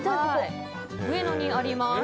上野にあります。